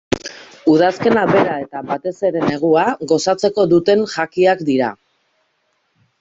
Udazkena bera eta batez ere negua gozatuko duten jakiak dira.